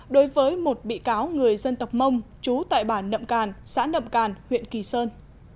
đối với một bị cáo người dân tộc mông chú tại bản nậm càn xã nậm càn huyện kỳ sơn